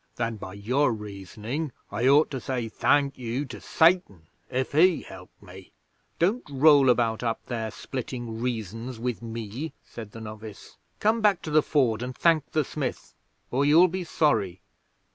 "Then by your reasoning I ought to say 'Thank you' to Satan if he helped me?" "Don't roll about up there splitting reasons with me," said the novice. "Come back to the Ford and thank the Smith, or you'll be sorry."